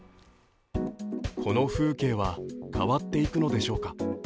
この風景は変わっていくのでしょうか。